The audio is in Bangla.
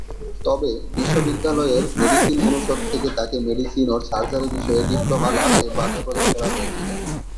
তবে, বিশ্ববিদ্যালয়ের মেডিসিন অনুষদ থেকে তাকে মেডিসিন ও সার্জারি বিষয়ে ডিপ্লোমা লাভে বাঁধা প্রদান করা হয়েছিল।